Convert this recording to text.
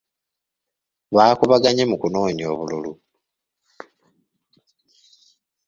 Baakubaganye mu kunoonya obululu.